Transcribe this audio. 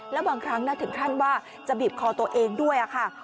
แล้วบางครั้งถึงขั้นว่าจะบีบคอตัวเองด้วยค่ะ